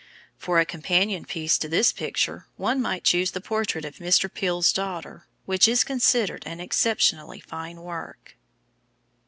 For a companion piece to this picture, one might choose the portrait of Mr. Peel's daughter, which is considered an exceptionally fine work.